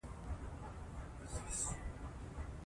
مګر د نورو توهین کول جواز نه لري.